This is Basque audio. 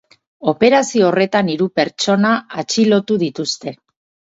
Operazio horretan hiru pertsona atxilotu dituzte.